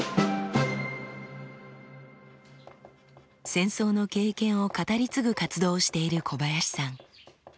戦争の経験を語り継ぐ活動をしている小林さん。